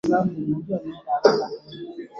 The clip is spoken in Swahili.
hadi aya ya arobaini na mbili inasema